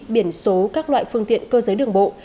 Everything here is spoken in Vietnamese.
biển số các loại phương tiện cơ giới đường bộ